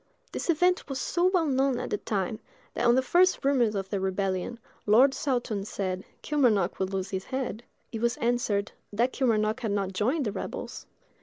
This event was so well known at the time, that on the first rumors of the rebellion, Lord Saltoun said, "Kilmarnock will lose his head." It was answered, "that Kilmarnock had not joined the rebels."